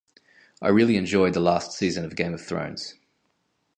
I really enjoyed the last season of Game of Thrones